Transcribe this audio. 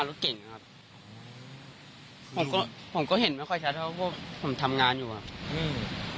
รถเก่งนะครับผมก็ผมก็เห็นไม่ค่อยชัดเพราะพวกผมทำงานอยู่อ่ะอืม